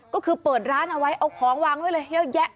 ก็คือเปิดร้านเอาไว้เอาของวางไว้เลยเยอะแยะ